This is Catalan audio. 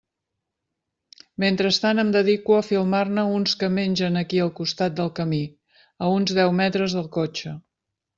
Mentrestant em dedico a filmar-ne uns que mengen aquí al costat del camí, a uns deu metres del cotxe.